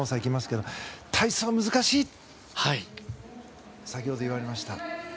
体操は難しいと先ほど言われました。